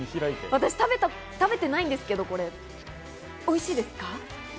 私、食べていないんですけれど、これおいしいですか？